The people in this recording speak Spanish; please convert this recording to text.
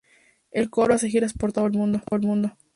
El coro hace giras por todo el mundo.